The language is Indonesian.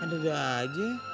ada dia aja